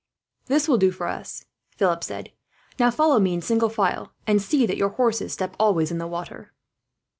"This will do for us," Philip said. "Now, follow me in single file, and see that your horses step always in the water."